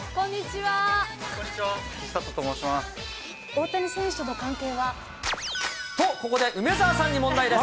大谷選手との関係は？と、ここで梅澤さんに問題です。